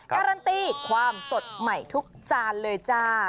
การันตีความสดใหม่ทุกจานเลยจ้า